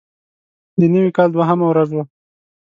د نوي کال دوهمه ورځ وه.